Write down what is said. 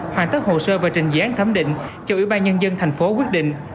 hoàn tất hồ sơ và trình dự án thấm định cho ủy ban nhân dân thành phố quyết định